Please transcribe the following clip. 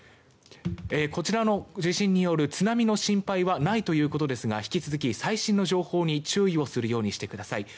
こちらの地震による津波の心配はないということですが引き続き最新の情報に注意するようにしてください。